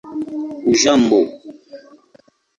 hujambo